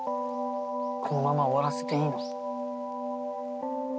このまま終わらせていいの？